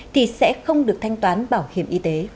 thì sẽ không được thanh toán bảo hiểm y tế